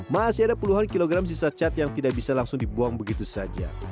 masih ada puluhan kilogram sisa cat yang tidak bisa langsung dibuang begitu saja